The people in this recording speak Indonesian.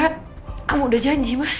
kamu sudah janji mas